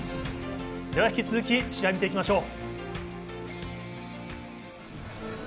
引き続き試合を見ていきましょう。